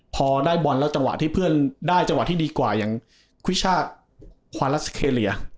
พอได้บอลแล้วจังหวะที่เพื่อนได้จังหวะที่ดีกว่าอย่างควิชาควาลัสเคเรีย